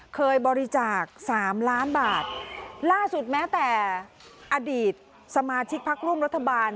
เคยบริจาคสามล้านบาทล่าสุดแม้แต่อดีตสมาชิกพักร่วมรัฐบาล